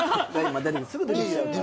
すぐ出てきちゃうから。